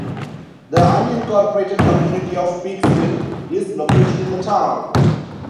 The unincorporated community of Peeksville is located in the town.